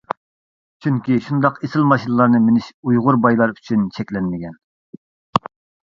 چۈنكى شۇنداق ئېسىل ماشىنىلارنى مىنىش ئۇيغۇر بايلار ئۈچۈن چەكلەنمىگەن.